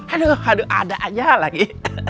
aduh aduh ada aja lagi